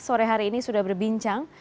sore hari ini sudah berbincang